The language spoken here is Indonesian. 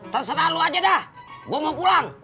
terserah lu aja dah gue mau pulang